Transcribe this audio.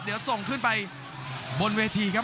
เดี๋ยวส่งขึ้นไปบนเวทีครับ